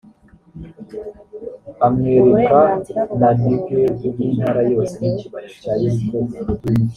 uburenganzira buhabwa umuntu ku giti cye hagendewe ku bushobozi